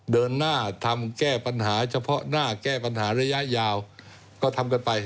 เดินหน้าทำแก้ปัญหาเฉพาะหน้าแก้ปัญหาระยะยาวก็ทำกันไป